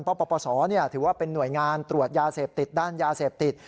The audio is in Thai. ปปศถือว่าเป็นหน่วยงานตรวจยาเสพติดด้านยาเสพติด